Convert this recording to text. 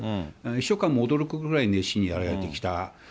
秘書官も驚くぐらい熱心にやられてきた。